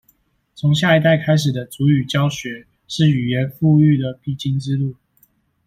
從下一代開始的族語教學，是語言復育的必經之路